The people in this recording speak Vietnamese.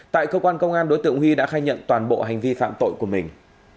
tại cơ quan công an đối tượng huy đã khai nhận toàn bộ hành vi phạm tội của mình